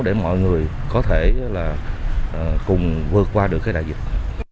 để mọi người có thể là cùng vượt qua được cái đại dịch